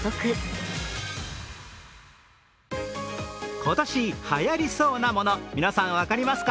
今年はやりそうなもの、皆さん、分かりますか？